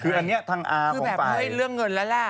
คืออันนี้ทางอาของฝ่ายเห้ยเรื่องเงินแล้วล่ะ